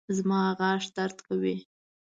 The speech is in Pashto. زما غاښ درد کوي